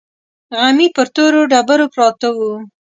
غمي پر تورو ډبرو پراته وو.